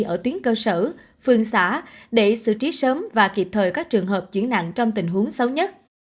ở tuyến cơ sở phương xã để xử trí sớm và kịp thời các trường hợp chuyển nặng trong tình huống xấu nhất